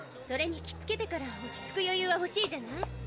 それに着付けてから落ち着く余ゆうはほしいじゃない。